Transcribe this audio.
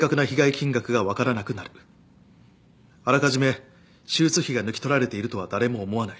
あらかじめ手術費が抜き取られているとは誰も思わない。